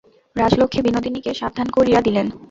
রাজলক্ষ্মী বিনোদিনীকে সাবধান করিয়া দিলেন।